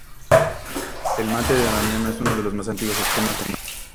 El mate de Damiano es uno de los más antiguos esquemas de mate.